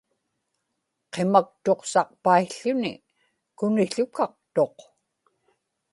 qimaktuqsaqpaił̣ł̣uni kunił̣ukaqtuq